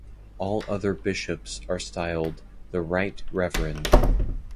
All other bishops are styled "The Right Reverend".